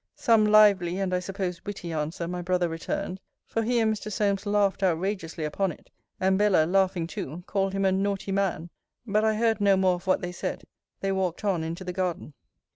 Some lively, and, I suppose, witty answer, my brother returned; for he and Mr. Solmes laughed outrageously upon it, and Bella, laughing too, called him a naughty man: but I heard no more of what they said; they walked on into the garden.